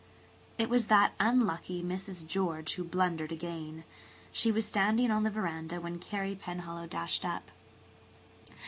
It was that unlucky Mrs. George who blundered again. She was standing on the veranda when Carey Penhallow dashed up.